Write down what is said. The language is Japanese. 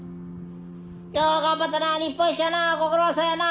よう頑張ったな日本一やなご苦労さんやな。